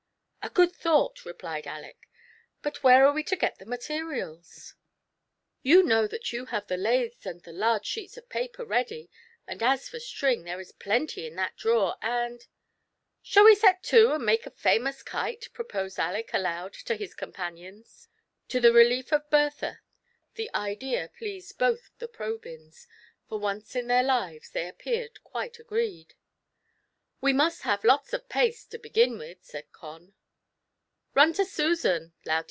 "A good thought," replied Aleck; "but where are we to get the materials ?"" You know that you have the laths and the large sheets of paper ready, and as for string, there is plenty in that drawer, and "— TRIALS AND TROUBLES. 60 "Shall we set to, and make a famous kite?" proposed Aleck aloud to his companions. To the relief of Bertha, the idea pleased both the Probyna; for once in their lives they appeared quite agreed. " We must have lots of paste, to begin with," said Con.